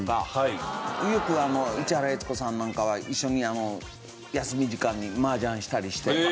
よくあの市原悦子さんなんかは一緒に休み時間に麻雀したりして。